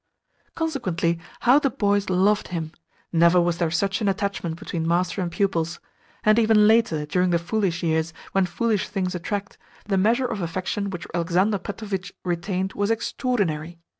Consequently, how the boys loved him! Never was there such an attachment between master and pupils. And even later, during the foolish years, when foolish things attract, the measure of affection which Alexander Petrovitch retained was extraordinary.